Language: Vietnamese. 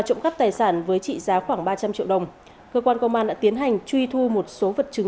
trộm cắp tài sản với trị giá khoảng ba trăm linh triệu đồng cơ quan công an đã tiến hành truy thu một số vật chứng